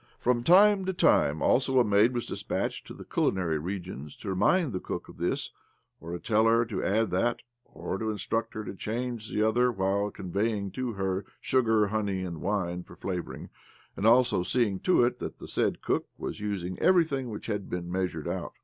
From time to time, also, a maid was dispatched to the culinary regions to remind the cook of this, or to tell her to add that, or to instruct her to change the other, while conveying to her sugar, honey, and wine for flavouring, and also seeing to it that the said cook was using everything which had been measured out.